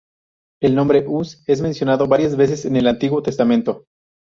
El nombre Uz es mencionado varias veces en el Antiguo Testamento.